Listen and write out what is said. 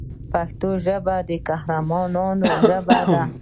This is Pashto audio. پښتو ژبه د قهرمانانو ژبه ده.